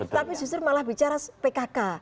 tapi justru malah bicara pkk